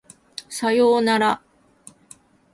左様なら